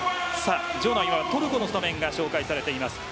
場内ではトルコのスタメンが紹介されています。